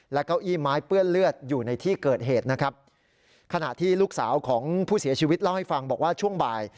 เก้าอี้ไม้เปื้อนเลือดอยู่ในที่เกิดเหตุนะครับขณะที่ลูกสาวของผู้เสียชีวิตเล่าให้ฟังบอกว่าช่วงบ่าย